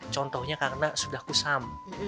contohnya karena sudah kusam